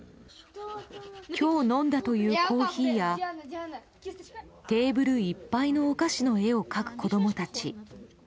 今日飲んだというコーヒーやテーブルいっぱいのお菓子の絵を描く子供たち。